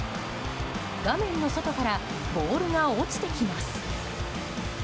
画面の外からボールが落ちてきます。